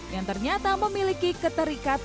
yang ternyata memiliki keterikatan